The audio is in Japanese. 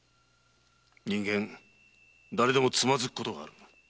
人間誰でもつまずくことはある。